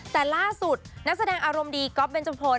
แต่ล่าสุดนักแสดงอารมณ์ดีก๊อฟเบนจุพล